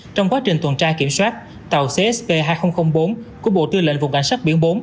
trong quá trình tuần tra kiểm soát tàu csv hai nghìn bốn của bộ tư lệnh vùng cảnh sát biển bốn